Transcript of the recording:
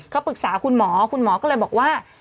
เขาปรึกษาคุณหมอคุณหมอก็เลยบอกว่า